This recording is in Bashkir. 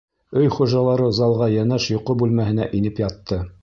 Өй хужалары залға йәнәш йоҡо бүлмәһенә инеп ятты.